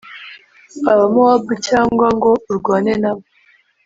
Abamowabu cyangwa ngo urwane na bo,